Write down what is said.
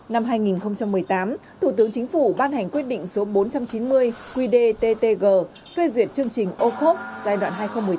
năm hai nghìn một mươi tám thủ tướng chính phủ ban hành quyết định số bốn trăm chín mươi qdttg kê duyệt chương trình ocop giai đoạn hai nghìn một mươi tám hai nghìn hai mươi